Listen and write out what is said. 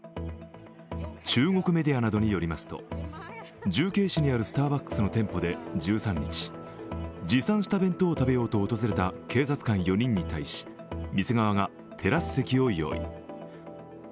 中国メディアなどによりますと重慶市にあるスターバックスの店舗で１３日持参した弁当を食べようと訪れた警察官４人に対し店側がテラス席を用意。